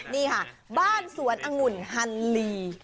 นี่ค่ะบ้านสวนองุ่นฮันลี